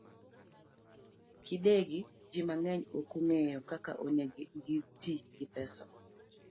Kindegi, ji mang'eny ok ong'eyo kaka onego giti gi pesa